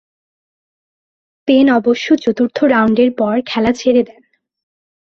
Pen অবশ্য চতুর্থ রাউন্ডের পর খেলা ছেড়ে দেন।